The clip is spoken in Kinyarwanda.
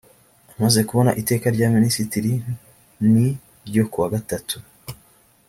amaze kubona iteka rya minisitiri n ryo kuwa gatatu